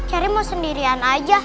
sherry mau sendirian aja